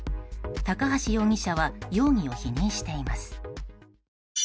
高橋容疑者は容疑を否認しています。